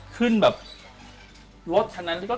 ขึ้นแบบรถฉะนั้น